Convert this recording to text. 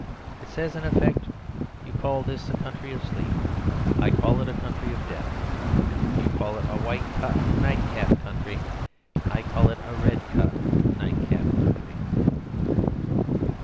It says in effect, "You call this a country of sleep, I call it a country of death. You call it 'White Cotton Night Cap Country'; I call it 'Red Cotton Night Cap Country.'"